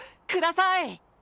ください！